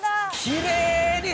きれいに。